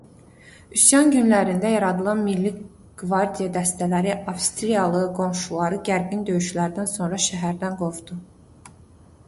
Üsyan günlərində yaradılan milli qvardiya dəstələri avstriyalı qoşunları gərgin döyüşlərdən sonra şəhərdən qovdu.